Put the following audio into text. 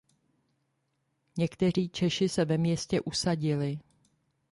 Někteří Češi se ve městě usadili.